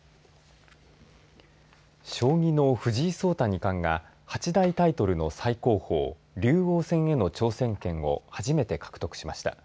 将棋の藤井聡太二冠が八大タイトルの最高峰竜王戦への挑戦権を初めて獲得しました。